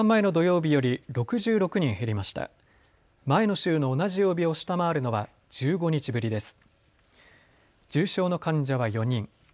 前の週の同じ曜日を下回るのは１５日ぶりです。